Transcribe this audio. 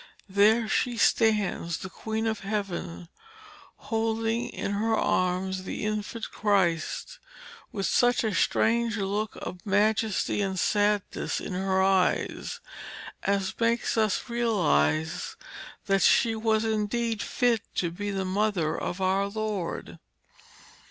There she stands, the Queen of Heaven, holding in her arms the Infant Christ, with such a strange look of majesty and sadness in her eyes as makes us realise that she was indeed fit to be the Mother of our Lord.